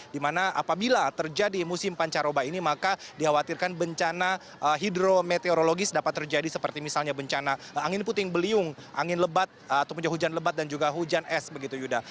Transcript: dimana apabila terjadi musim pancaroba ini maka dikhawatirkan bencana hidrometeorologis dapat terjadi seperti misalnya bencana angin puting beliung angin lebat ataupun juga hujan lebat dan juga hujan es begitu yuda